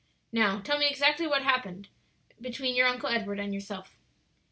Now, tell me exactly what passed between your Uncle Edward and yourself."